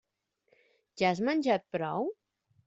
Ja has menjat prou?